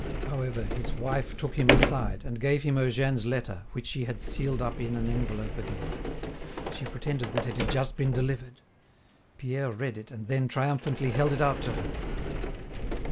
However, his wife took him aside, and gave him Eugène's letter which she had sealed up in an envelope again. She pretended that it had just been delivered. Pierre read it and then triumphantly held it out to her.